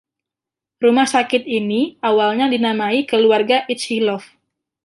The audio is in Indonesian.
Rumah sakit ini awalnya dinamai keluarga Ichilov.